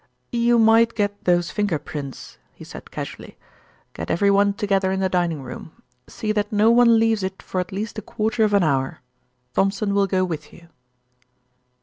"You might get those finger prints," he said casually. "Get everyone together in the dining room. See that no one leaves it for at least a quarter of an hour. Thompson will go with you."